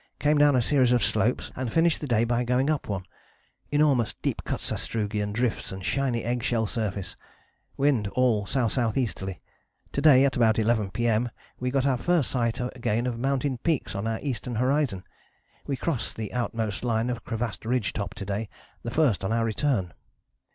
Came down a series of slopes, and finished the day by going up one. Enormous deep cut sastrugi and drifts and shiny egg shell surface. Wind all S.S.E.ly. To day at about 11 P.M. we got our first sight again of mountain peaks on our eastern horizon.... We crossed the outmost line of crevassed ridge top to day, the first on our return.